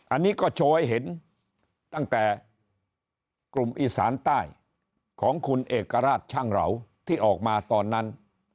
อันนี้ก็โชว์ให้เห็นตั้งแต่กลุ่มอีสานใต้ของคุณเอกราชช่างเหลาที่ออกมาตอนนั้น